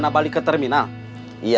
enggak itu bedroom kalian punya